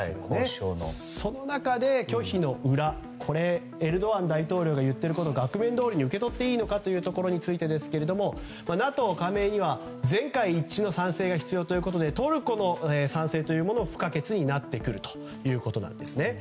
その中で拒否の裏エルドアン大統領が言っていることを額面どおりに受け取っていいのかということについてですがＮＡＴＯ加盟については全会一致の賛成が必要ということでトルコの賛成が不可欠になってくるということなんです。